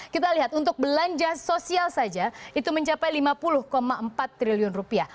kita lihat untuk belanja sosial saja itu mencapai lima puluh empat triliun rupiah